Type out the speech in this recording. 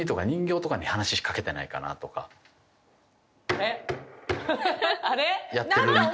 えっ？